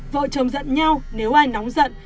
vợ chồng giận nhau nếu ai nóng giận